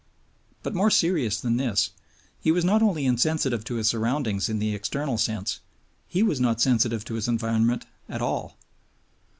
But more serious than this, he was not only insensitive to his surroundings in the external sense, he was not sensitive to his environment at all.